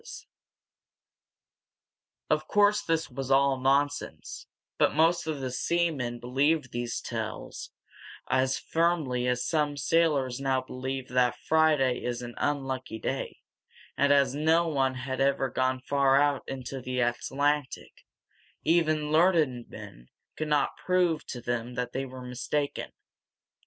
[Illustration: Primitive Map] Of course this was all nonsense, but most of the seamen believed these tales as firmly as some sailors now believe that Friday is an unlucky day; and as no one had ever gone far out in the Atlantic, even learned men could not prove to them that they were mistaken.